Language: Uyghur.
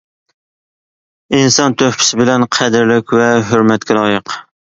ئىنسان تۆھپىسى بىلەن قەدىرلىك ۋە ھۆرمەتكە لايىق.